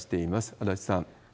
足立さん。